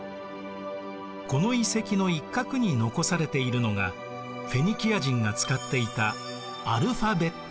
この遺跡の一角に残されているのがフェニキア人が使っていたアルファベット。